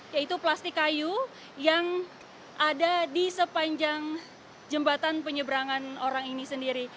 yaitu plastik kayu yang ada di sepanjang jembatan penyeberangan orang ini sendiri